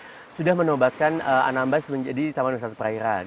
karena mereka juga sudah menobatkan anambas menjadi taman wisata perairan